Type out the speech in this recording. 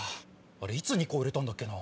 いつ２個売れたんだっけな。